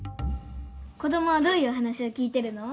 子供はどういうお話を聞いてるの？